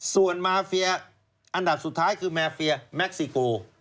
ส่วนมาเฟียอันดับสุดท้ายคือมาเฟียแม็กซิโก